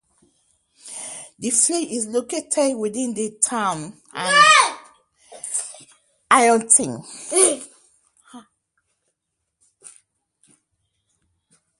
The village is located within the Town of Ironton.